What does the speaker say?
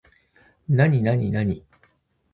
なになになに